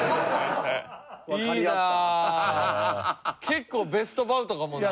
結構ベストバウトかもな。